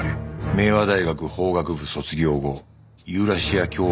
明和大学法学部卒業後ユーラシア共和国へ留学